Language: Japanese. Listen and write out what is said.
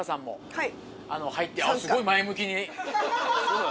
はい。